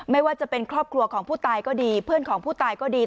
ไม่ว่าจะเป็นครอบครัวของผู้ตายก็ดีเพื่อนของผู้ตายก็ดี